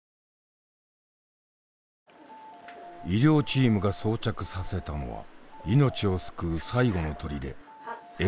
医療チームが装着させたのは命を救う最後のとりでＥＣＭＯ。